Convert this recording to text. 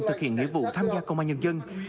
thực hiện nghĩa vụ tham gia công an nhân dân